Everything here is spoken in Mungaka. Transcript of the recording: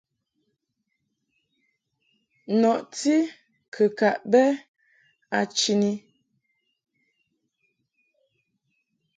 Nɔti kɨkaʼ bɛ a chini.